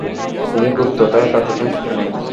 তিনি গুপ্ত, তাই তার পেছনে কিছু নেই।